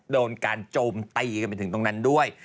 โดนการโจมตีกันไปถึงตรงนั้นด้วย